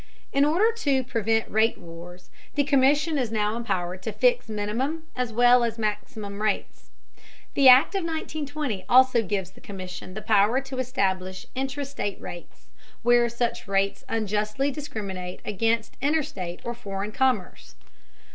In order to prevent rate wars, the Commission is now empowered to fix minimum as well as maximum rates. The Act of 1920 also gives the Commission the power to establish intra state rates, where such rates unjustly discriminate against interstate or foreign commerce.